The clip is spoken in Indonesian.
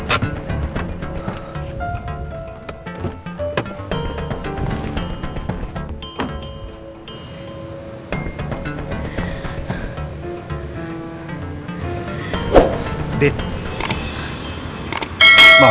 apa jangan jangan elsa lagi